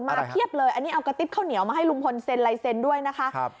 เพียบเลยอันนี้เอากระติ๊บข้าวเหนียวมาให้ลุงพลเซ็นลายเซ็นด้วยนะคะ